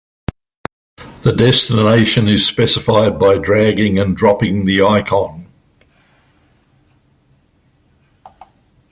The destination is specified by dragging and dropping the icon.